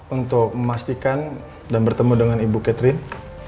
untuk memastikan dan bertemu dengan ibu catherine